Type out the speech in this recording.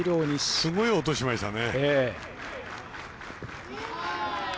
すごい音しましたね。